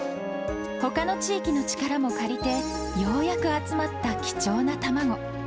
ほかの地域の力も借りて、ようやく集まった貴重な卵。